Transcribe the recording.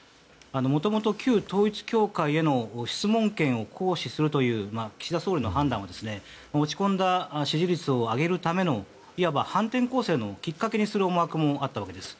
もともと旧統一教会への質問権を行使するという岸田総理の判断は落ち込んだ支持率を上げるためのいわば反転攻勢のきっかけにする思惑もあったわけです。